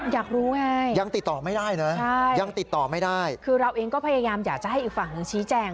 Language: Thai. อยากรู้ไงยังติดต่อไม่ได้คือเราเองก็พยายามอยากให้อีกฝั่งหนึ่งชี้แจง